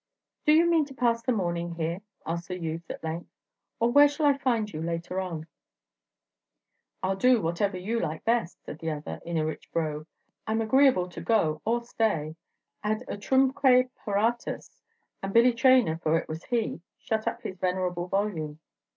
"Do you mean to pass the morning here?" asks the youth, at length, "or where shall I find you later on?" "I 'll do whatever you like best," said the other, in a rich brogue; "I 'm agreeable to go or stay, ad utrumque pa ratus." And Billy Traynor, for it was he, shut up his venerable volume.